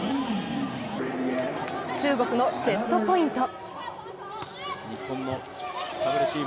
中国のセットポイント。